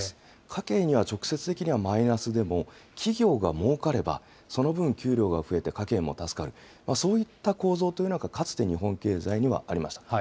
家計には直接的にはマイナスでも、企業がもうかれば、その分、給料が増えて家計も助かる、そういった構造というのが、かつて日本経済にはありました。